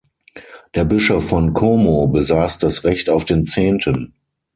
Der Bischof von Como besass das Recht auf den Zehnten.